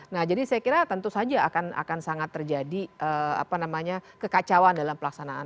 nah jadi saya kira tentu saja akan sangat terjadi kekacauan dalam pelaksanaan